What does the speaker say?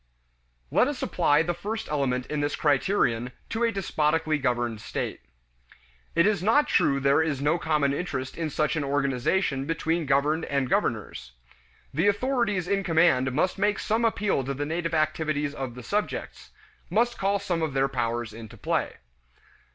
Let us apply the first element in this criterion to a despotically governed state. It is not true there is no common interest in such an organization between governed and governors. The authorities in command must make some appeal to the native activities of the subjects, must call some of their powers into play.